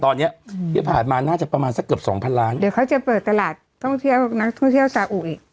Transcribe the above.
ตอนเนี้ยอืมที่ผ่านมาน่าจะประมาณสักเกือบสองพันล้านเดี๋ยวเขาจะเปิดตลาดท่องเที่ยวนักท่องเที่ยวสาอุอีก